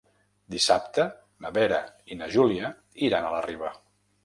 Dissabte na Vera i na Júlia iran a la Riba.